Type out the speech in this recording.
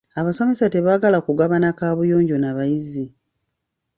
Abasomesa tebaagala kugabana kaabuyonjo na bayizi.